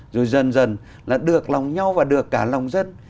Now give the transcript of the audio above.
rồi dần dần là được lòng nhau và được cả lòng dân